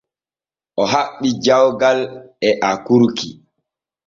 O haɓɓi jawŋal e akurki.